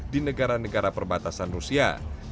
di negara negara perbatasan rusia